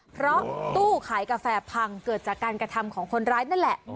เพราะตู้ขายกาแฟพังเกิดจากการกระทำของคนร้ายนั่นแหละ